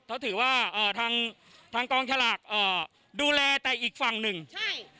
เขาถือว่าเอ่อทางทางกองฉลากเอ่อดูแลแต่อีกฝั่งหนึ่งใช่